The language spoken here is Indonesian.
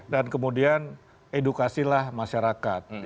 dan kemudian edukasilah masyarakat